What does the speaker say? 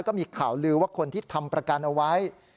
ก็มีข่าวลือว่าคนที่ทำประกันเอาไว้